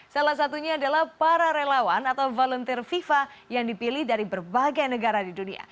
salah satunya adalah para relawan atau volunteer fifa yang dipilih dari berbagai negara di dunia